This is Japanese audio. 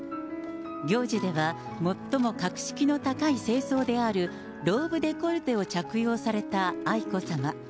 行事では最も格式の高い正装であるローブデコルテを着用された愛子さま。